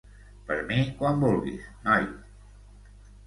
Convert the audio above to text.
Per mi quan vulguis, noi.